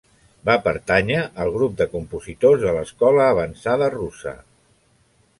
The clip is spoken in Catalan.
Va pertànyer al grup de compositors de l'escola avançada russa.